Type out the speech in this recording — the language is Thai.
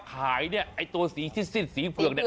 ตัวแบบสีเกือก